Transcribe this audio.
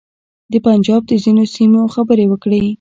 د پنجاب د ځینو سیمو خبرې وکړې.